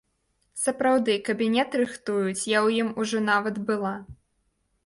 Сапраўды, кабінет рыхтуюць, я ў ім ужо нават была.